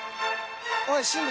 おい進藤。